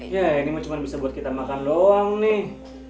ya ini cuma bisa buat kita makan doang nih